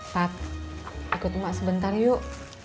pat ikut mak sebentar yuk